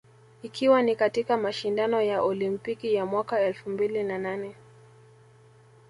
ikiwa ni katika mashindano ya olimpiki ya mwaka elfu mbili na nane